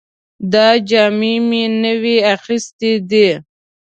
دا جامې مې نوې اخیستې دي